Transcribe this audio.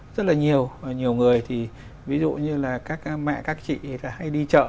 rất là nhiều nhiều người thì ví dụ như là các mẹ các chị hay đi chợ